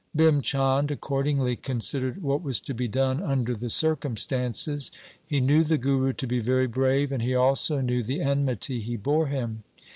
Bhim Chand accordingly considered what was to be done under the circumstances. He knew the Guru to be very brave, and he also knew the enmity he bore him.